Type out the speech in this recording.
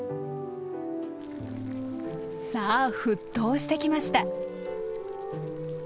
さあ沸騰してきました。